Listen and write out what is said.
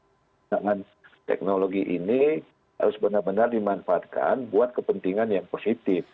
penggunaan teknologi ini harus benar benar dimanfaatkan buat kepentingan yang positif